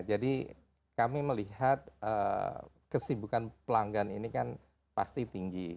jadi kami melihat kesibukan pelanggan ini kan pasti tinggi